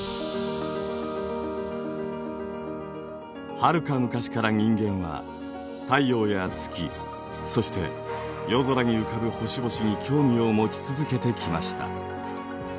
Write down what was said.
はるか昔から人間は太陽や月そして夜空に浮かぶ星々に興味を持ち続けてきました。